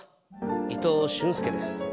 伊藤俊介です。